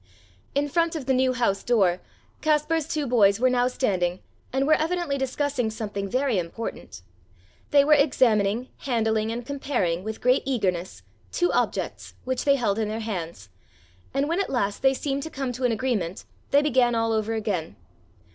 In front of the new house door Kaspar's two boys were now standing and were evidently discussing something very important. They were examining, handling and comparing, with great eagerness, two objects, which they held in their hands, and when at last they seemed to come to an agreement they began all over again.